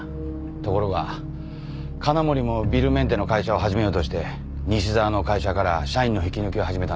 ところが金森もビルメンテの会社を始めようとして西沢の会社から社員の引き抜きを始めたんです。